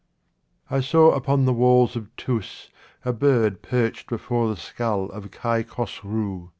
I SAW upon the walls of Thous a bird perched before the skull of Kai Khosrou.